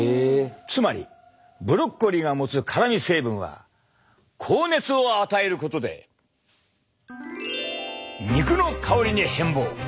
つまりブロッコリーが持つ辛み成分は高熱を与えることで肉の香りに変貌！